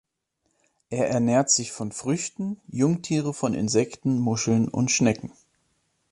Er ernährt sich von Früchten, Jungtiere von Insekten, Muscheln und Schnecken.